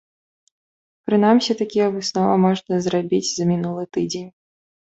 Прынамсі, такія высновы можна зрабіць за мінулы тыдзень.